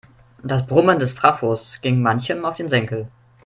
Das Brummen des Trafos ging manchem auf den Senkel.